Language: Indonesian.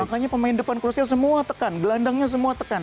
makanya pemain depan krusial semua tekan gelandangnya semua tekan